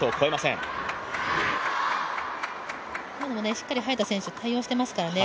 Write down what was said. しっかり早田選手、対応していますからね